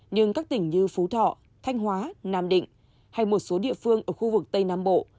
nhưng các tỉnh như phú thọ thanh hóa nam định hay một số địa phương ở khu vực tây nam bộ